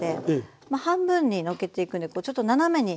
まあ半分にのっけていくんでこうちょっと斜めに。